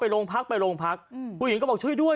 โรงพักไปโรงพักผู้หญิงก็บอกช่วยด้วย